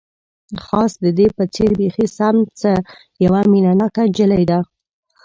خاص د دې په څېر، بیخي سم، څه یوه مینه ناکه انجلۍ ده.